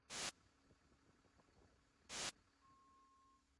Materials range from relatively inexpensive plastic to high-priced aluminum.